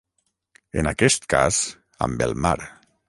En aquest cas, amb el mar.